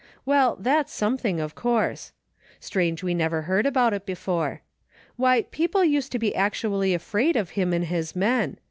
Well, that's something, of course. Strange we never heard about it before. Why, people used to be actually afraid of him and his men.